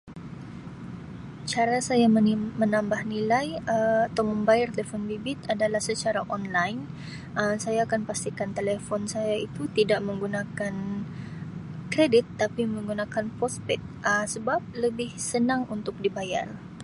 "Cara saya menim-menambah nilai Um atau membayar telefon bimbit adalah secara ""online"". Um Saya akan pastikan telefon saya itu tidak menggunakan kredit tapi menggunakan postpaid Um sebab lebih senang untuk dibayar. "